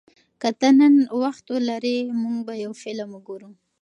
که ته نن وخت لرې، موږ به یو فلم وګورو.